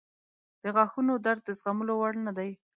• د غاښونو درد د زغملو وړ نه دی.